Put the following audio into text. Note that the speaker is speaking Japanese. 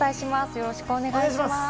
よろしくお願いします。